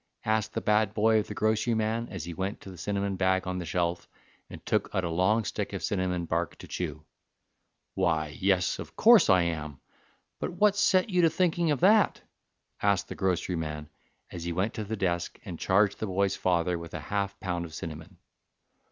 asked the bad boy of the grocery man, as he went to the cinnamon bag on the shelf and took out a long stick of cinnamon bark to chew. "Why, yes, of course I am; but what set you to thinking of that?" asked the grocery man, as he went to the desk and charged the boy's father with a half pound of cinnamon.